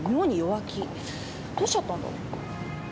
どうしちゃったんだろ？